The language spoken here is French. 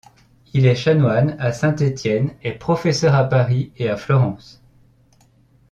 Il est chanoine à Saint-Étienne et professeur à Paris et à Florence.